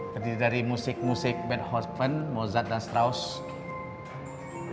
jadi dari musik musik beethoven mozart dan strauss